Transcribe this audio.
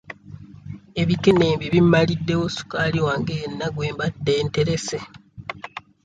Ebikennembi bimmaliddewo sukaali wange yenna gwe mbadde nterese.